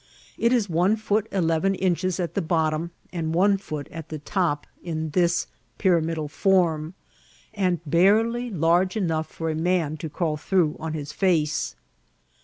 It is one foot eleven inches at the bottom, and one foot at the top, in I I this form, and barely ''"r!!^ large enough for a man to crawl through on his teice.